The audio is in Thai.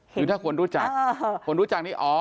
คือถ้าคนรู้จักคนรู้จักนี่อ๋อ